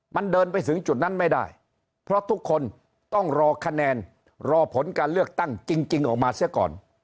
มันเดินไปถึงจุดนั้นไม่ได้เพราะทุกคนต้องรอคะแนนรอผลการเลือกตั้งจริงออกมาเสียก่อน